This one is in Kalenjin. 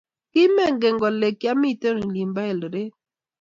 Kimengen kole kyamite olin bo Eldoret?